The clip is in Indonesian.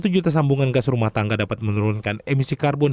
satu juta sambungan gas rumah tangga dapat menurunkan emisi karbon